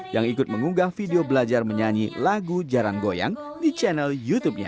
yang ikut mengunggah video belajar menyanyi lagu jalan goyang di channel youtubenya